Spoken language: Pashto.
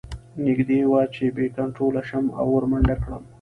نږدې وه چې بې کنتروله شم او ور منډه کړم